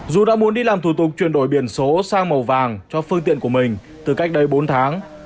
dù đã muốn đi làm thủ tục chuyển đổi biển số sang màu vàng cho phương tiện của mình từ cách đây bốn tháng